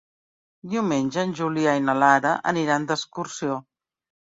Diumenge en Julià i na Lara aniran d'excursió.